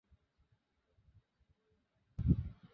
অমিত লাবণ্যকে জিজ্ঞাসা করলে, তোমার কি সময় আছে।